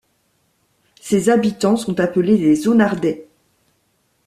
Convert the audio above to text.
Ses habitants sont appelés les Onardais.